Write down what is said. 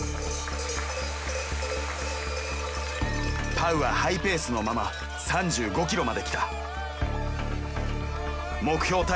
パウはハイペースのまま３５ｋｍまで来た。